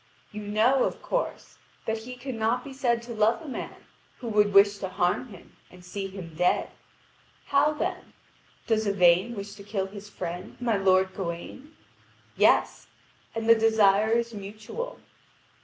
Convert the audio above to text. You know, of course, that he cannot be said to love a man who would wish to harm him and see him dead. How then? Does Yvain wish to kill his friend, my lord Gawain? Yes, and the desire is mutual.